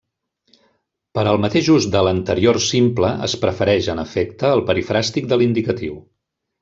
Per al mateix ús de l'Anterior Simple es prefereix, en efecte, el perifràstic de l'Indicatiu.